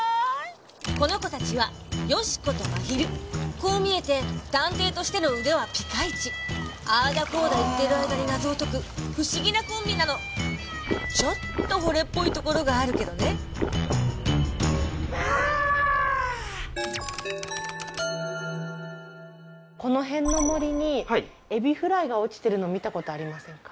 この子たちはヨシコとマヒルこう見えて探偵としての腕はピカイチあーだこーだ言ってる間に謎を解く不思議なコンビなのちょっとほれっぽいところがあるけどねああああこのへんの森にエビフライが落ちてるの見たことありませんか？